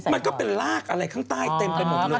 มันก็เป็นรากอะไรข้างใต้เต็มไปหมดเลย